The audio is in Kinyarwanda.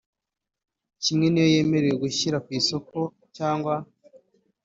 Kimwe n iyo yemerewe gushyira ku isoko cyangwa